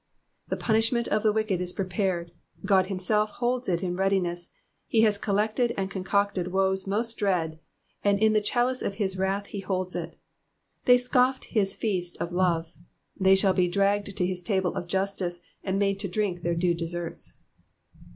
'*'' The punishment of the wicked is prepared, God himself holds it in readiness ; he has collected and concocted woes most dread, and in the chalice of his wrath he holds it. They scoffed his feast of love ; they shall be dragged to his table of justice, and made to drink their due deserts.